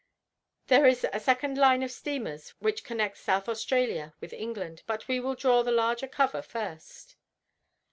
There is a second line of steamers which connect South Australia with England, but we will draw the larger cover first."